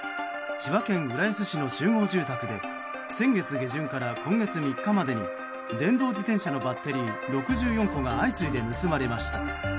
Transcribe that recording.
千葉県浦安市の集合住宅で先月下旬から今月３日までに電動自転車のバッテリー６４個が相次いで盗まれました。